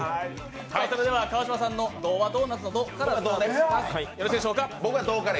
それでは、川島さんのドはドーナツのドからいきましょう。